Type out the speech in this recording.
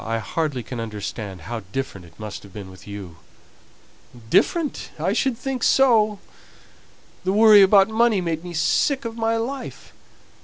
I hardly can understand how different it must have been with you." "Different! I should think so. The worry about money made me sick of my life.